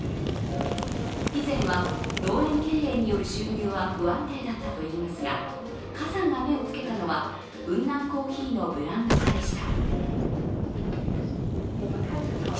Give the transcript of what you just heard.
以前は、農園経営による収入は不安定だったといいますが華さんが目をつけたのは雲南コーヒーのブランド化でした。